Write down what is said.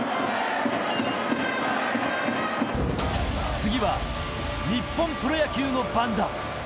次は、日本プロ野球の番だ。